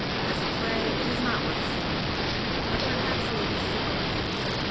As a play it is not worth seeing,—but perhaps Lady Sibyl is."